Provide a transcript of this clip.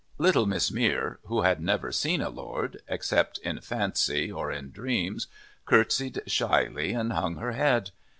Little Miss Mere, who had never seen a lord, except in fancy or in dreams, curtseyed shyly and hung her head.